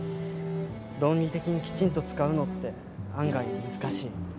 論理的にきちんと使うのって案外難しい。